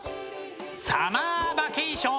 サマーバケーション！